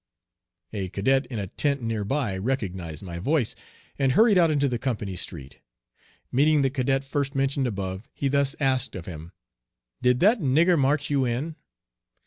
A cadet in a tent near by recognized my voice, and hurried out into the company street. Meeting the cadet first mentioned above, he thus asked of him: "Did that nigger march you in?"